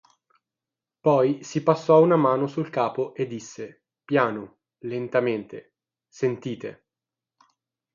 Poi si passò una mano sul capo e disse, piano, lentamente: – Sentite.